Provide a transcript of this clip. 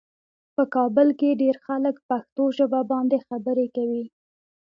په کابل کې ډېر خلک پښتو ژبه باندې خبرې کوي.